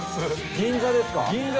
銀座ですね。